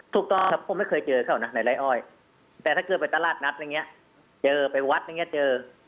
ถูกต้องครับผมไม่เคยเจอเขานะในไร้อ้อยแต่ถ้าเกิดไปตลาดนัดอย่างเงี้ยเจอไปวัดอย่างเงี้เจอ